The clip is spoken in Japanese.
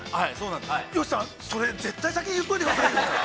◆善しさん、それ、絶対先に言っておいてくださいよ。